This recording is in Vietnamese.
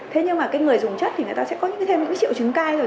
thế nhưng mà cái người dùng chất thì người ta sẽ có thêm những triệu chứng cai rồi